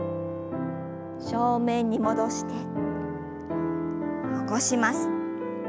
正面に戻して起こします。